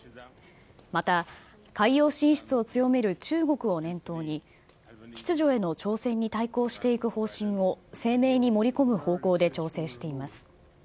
また海洋進出を強める中国を念頭に、秩序への挑戦に対抗していく方針を声明に盛り込む方向で調整しています。